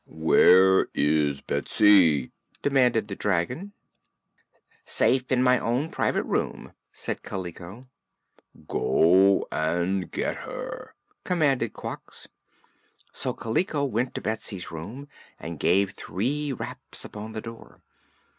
"Where is Betsy?" demanded the dragon. "Safe in my own private room," said Kaliko. "Go and get her!" commanded Quox. So Kaliko went to Betsy's room and gave three raps upon the door.